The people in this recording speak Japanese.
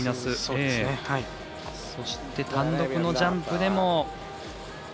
そして、単独のジャンプでも。